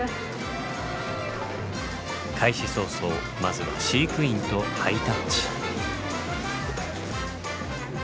開始早々まずは飼育員とハイタッチ。